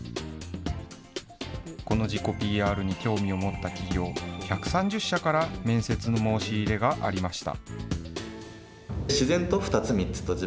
この自己ＰＲに興味を持った企業１３０社から面接の申し入れがありました。